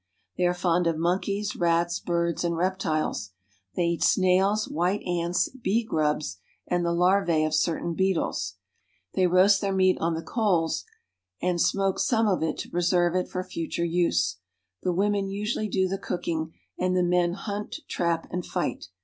They are fond of monkeys, rats, birds, and reptiles. They eat snails, white ants, bee grubs, and the larvae of certain beetles. They roast their meat on the coals and smoke some of it to preserve it for future use. The women usually do the cooking and the men hunt, trap, and fight.